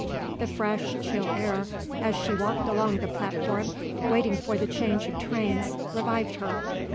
The fresh, chill air, as she walked along the platform, waiting for the change of trains, revived her.